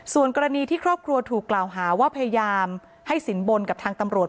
ส่วนกรณีที่ครอบครัวถูกกล่าวหาว่าพยายามให้สินบนกับทางตำรวจ